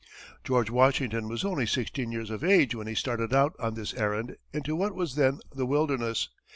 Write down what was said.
George Washington was only sixteen years of age when he started out on this errand into what was then the wilderness.